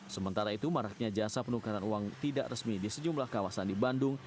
sementara itu maraknya jasa penukaran uang tidak resmi di sejumlah kawasan di bandung